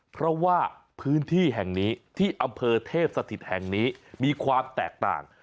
เพราะว่าพื้นที่แห่งนี้ที่อำเภอเทพสถิตแห่งนี้มีความแตกต่าง